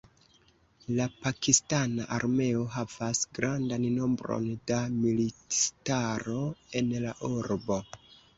La pakistana armeo havas grandan nombron da militistaro en la urbo.